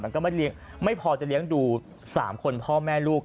ก็ไม่พอจะเลี้ยงดู๓คนพ่อแม่ลูก